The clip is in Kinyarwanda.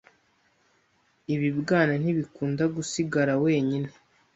Ibibwana ntibikunda gusigara wenyine.